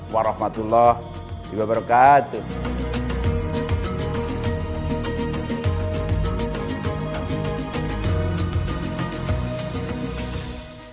dan kembali membangkitkan gairah ekonomi